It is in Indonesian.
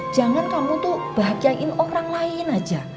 jangan kamu tuh bahagiain orang lain aja